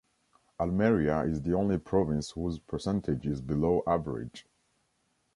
Almeria is the only province whose percentage is below average.